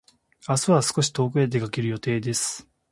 明日は少し遠くへ出かける予定です。